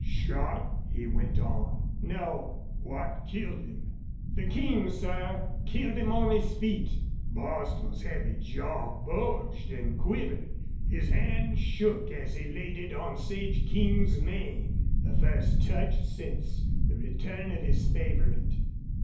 "Shot?" he went on. "No." "What killed him?" "The King, sir! ... Killed him on his feet!" Bostil's heavy jaw bulged and quivered. His hand shook as he laid it on Sage King's mane the first touch since the return of his favorite.